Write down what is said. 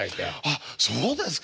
あっそうですか。